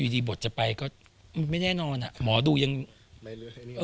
ดีบทจะไปก็ไม่แน่นอนอ่ะหมอดูยัง